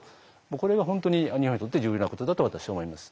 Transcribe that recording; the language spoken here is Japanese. これが本当に日本にとって重要なことだと私は思います。